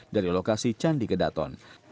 dari lokasi candi kedaton